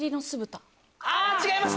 違います！